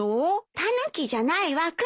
タヌキじゃないわクマよ。